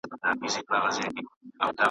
په څه هیلو درته راغلم څه خُمار درڅخه ځمه .